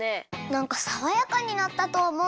なんかさわやかになったとおもう。